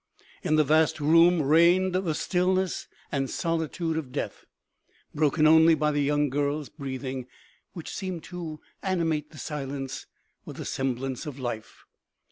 In the vast room reigned the stillness and solitude of death, broken only by the young girl's breathing, which seemed to animate the silence with the semblance of life.